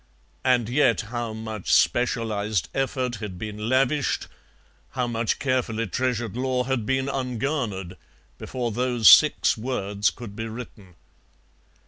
And yet how much specialized effort had been lavished, how much carefully treasured lore had been ungarnered, before those six words could be written.